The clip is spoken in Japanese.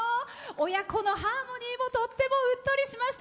親子のハーモニーもとってもうっとりしました。